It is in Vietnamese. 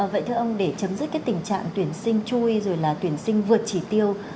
vậy thưa ông để chấm dứt cái tình trạng tuyển sinh chui rồi là tuyển sinh vượt chỉ tiêu